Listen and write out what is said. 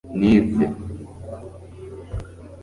nize